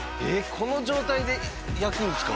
この状態で焼くんすか？